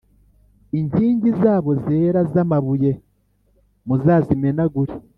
inkingi zabo zera z’amabuye muzazimenagure,